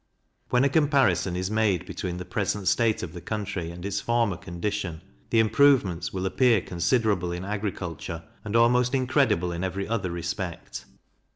When a comparison is made between the present state of the country and its former condition, the improvements will appear considerable in agriculture, and almost incredible in every other respect.